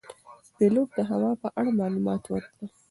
پیلوټ د هوا په اړه معلومات ورکړل.